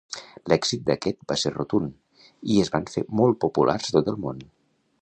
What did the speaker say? L'èxit d'aquest va ser rotund, i es van fer molt populars a tot el món.